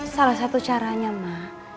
salah satu caranya ma